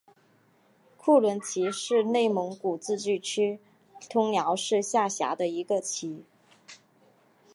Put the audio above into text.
库伦旗是内蒙古自治区通辽市下辖的一个旗。